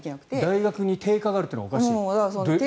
大学に定価があるのがおかしい？